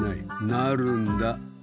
なるんだ！